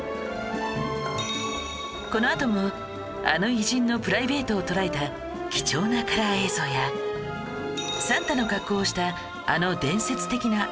このあともあの偉人のプライベートを捉えた貴重なカラー映像やサンタの格好をしたあの伝説的なアスリート